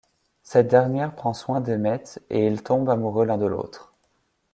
Cette dernière prend soin d'Emmet et ils tombent amoureux l'un de l'autre.